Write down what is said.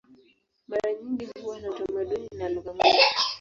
Mara nyingi huwa na utamaduni na lugha moja.